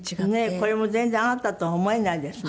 これも全然あなたとは思えないですもんね。